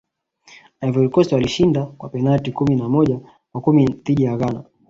ivory coast walishinda kwa penati kumi na moja kwa kumi dhidi ya ghana